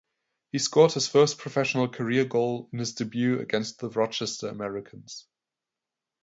He scored his first professional career goal in his debut against the Rochester Americans.